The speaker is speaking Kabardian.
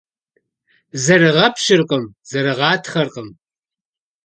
Зэрыгъэпщыркъым, зэрыгъатхъэркъым.